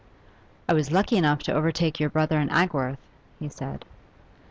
'I was lucky enough to overtake your brother in Agworth,' he said.